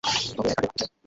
তবে একা কে থাকতে চায়?